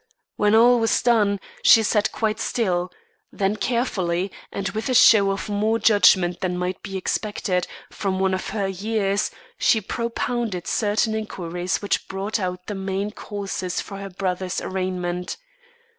When all was done, she sat quite still; then carefully, and with a show of more judgment than might be expected from one of her years, she propounded certain inquiries which brought out the main causes for her brother's arraignment.